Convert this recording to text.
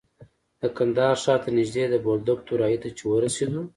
د کندهار ښار ته نژدې د بولدک دوراهي ته چې ورسېدو.